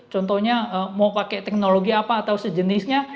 contohnya mau pakai teknologi apa atau sejenisnya